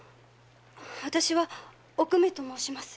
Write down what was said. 私は“おくめ”と申します。